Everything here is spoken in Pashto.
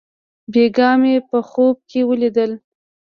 بېګاه مې په خوب کښې وليدل.